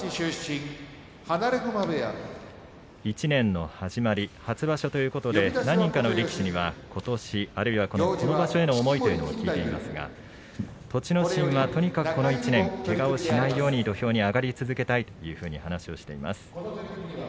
１年のはじまり初場所ということで何人かの力士にはことし、あるいは本場所への思いを聞いていますが栃ノ心はとにかくこの１年けがをしないように土俵に上がり続けたいという話をしています。